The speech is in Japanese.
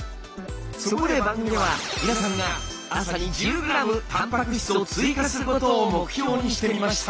そこで番組では皆さんが朝に１０ｇたんぱく質を追加することを目標にしてみました。